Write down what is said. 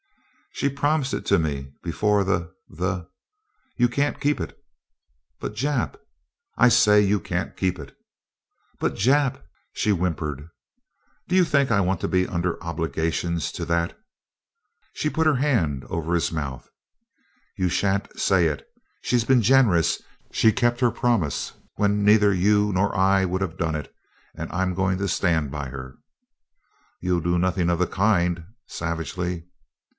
"She promised it to me before the the " "You can't keep it." "But, Jap " "I say you can't keep it." "But, Jap " she whimpered. "Do you think I want to be under obligations to that " She put her hand over his mouth. "You shan't say it! She's been generous. She kept her promise when neither you nor I would have done it, and I'm going to stand by her." "You'll do nothing of the kind!" savagely.